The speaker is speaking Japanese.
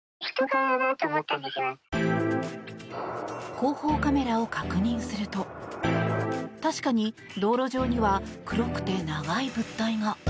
後方カメラを確認すると確かに、道路上には黒くて長い物体が。